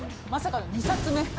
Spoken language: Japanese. まさかの２冊目。